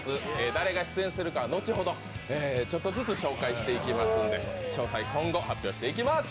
誰が出演するかは後ほど、ちょっとずつ紹介していきますので詳細、今後、発表していきます。